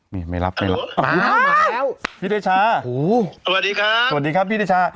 ไม่รับไม่รับอ้าวมาแล้วพี่เดชาโหสวัสดีครับสวัสดีครับพี่เดชา